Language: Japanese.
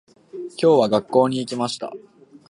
今日は、学校に行きました。